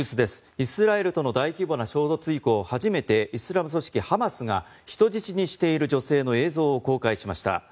イスラエルとの大規模な衝突以降初めて人質にしている女性の映像を公開しました。